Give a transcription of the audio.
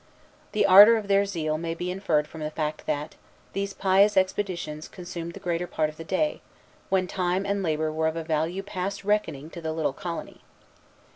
The ardor of their zeal may be inferred from the fact, that these pious expeditions consumed the greater part of the day, when time and labor were of a value past reckoning to the little colony.